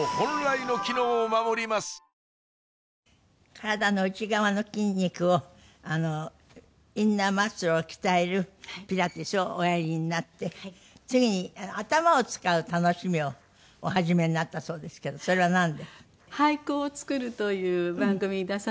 体の内側の筋肉をインナーマッスルを鍛えるピラティスをおやりになって次に頭を使う楽しみをお始めになったそうですけどそれはなんです？